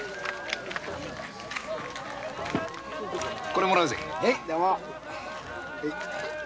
これもらうぜ。